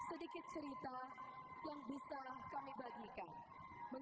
sedikit cerita yang bisa kami bagikan